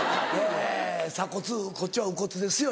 「鎖骨こっちは右骨ですよ」